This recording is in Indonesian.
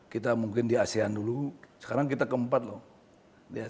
kita mungkin di asean dulu sekarang kita keempat loh